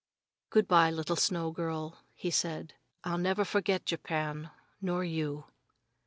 "Good by, little snow girl," he said. "I'll never forget Japan, nor you."